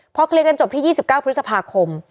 พอเคลียร์กันจบที่๒๙พฤษภาคม